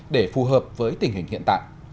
để phù hợp với tình hình hiện tại